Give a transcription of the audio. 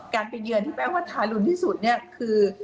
การไปเยือนที่แปลว่าทารุณที่สุดเนี่ยคือ